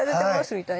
みたいな。